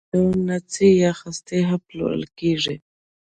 د زردالو نڅي یا خسته هم پلورل کیږي.